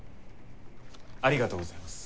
ありがとうございます。